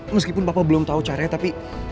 meskipun papa belum tahu caranya tapi